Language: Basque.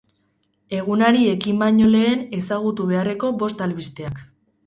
Egunari ekin baino lehen ezagutu beharreko bost albisteak.